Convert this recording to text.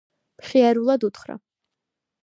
მხიარულად უთხრა: